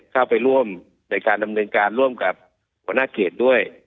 เข้าไปร่วมในการดำเนินการร่วมกับหัวหน้าเขตด้วย